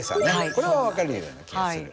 これは分かるような気がする。